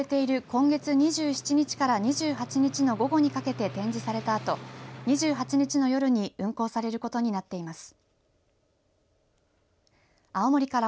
今月２７日から２８日の午後にかけて展示されたあと２８日の夜に運行されることになっています。